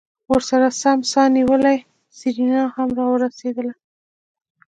ورسرہ سم سا نيولې سېرېنا هم راورسېدله.